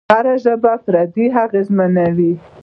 هره ژبه له پردیو اغېزمنېږي.